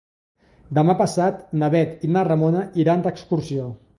Demà passat na Bet i na Ramona iran d'excursió.